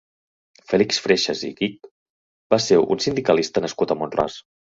Fèlix Freixas i Gich va ser un sindicalista nascut a Mont-ras.